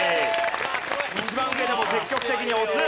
一番上でも積極的に押す！